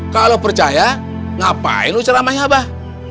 kalo percaya ngapain lu ceramahin abah